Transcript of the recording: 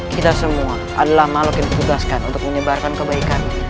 kita semua adalah makhluk yang ditugaskan untuk menyebarkan kebaikan